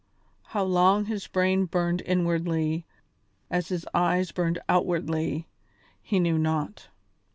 How long his brain burned inwardly, as his eyes burned outwardly, he knew not.